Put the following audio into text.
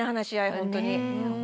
本当に。